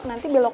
ya gini lah